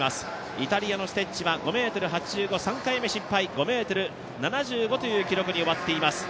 イタリアのステッチは５ｍ８５、３回目失敗、５ｍ７５という記録に終わっています。